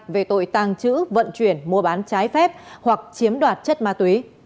về tội tàng trữ vận chuyển mua bán trái phép hoặc chiếm đoạt chất ma túy